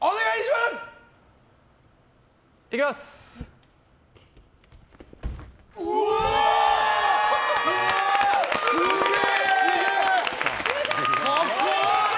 すげえ！